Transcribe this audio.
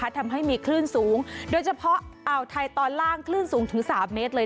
ทำให้มีคลื่นสูงโดยเฉพาะอ่าวไทยตอนล่างคลื่นสูงถึง๓เมตรเลย